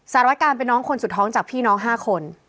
สารวการเป็นน้องคนสุดท้องจากพี่น้อง๕คน